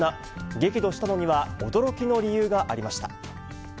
激怒したのには、驚きの理由がありました。